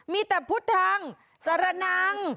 มีแต่พุทธังสระนัง